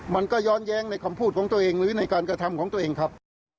มันก็ย้อนแย้งในคำพูดของตัวเองหรือในการกระทำของตัวเองครับ